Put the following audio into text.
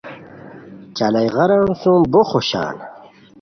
چالا ئے غاران سُم بو خوشان